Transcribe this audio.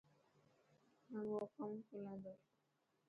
نوو اڪائوٽ کولان تو.